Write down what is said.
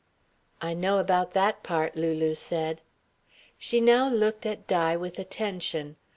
"I know about that part," Lulu said. She now looked at Di with attention.